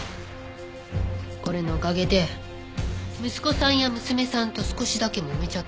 これのおかげで息子さんや娘さんと少しだけもめちゃったから。